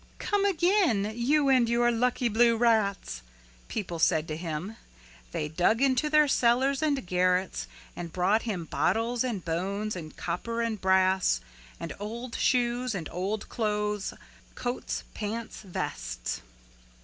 "Come again you and your lucky blue rats," people said to him. They dug into their cellars and garrets and brought him bottles and bones and copper and brass and old shoes and old clothes, coats, pants, vests.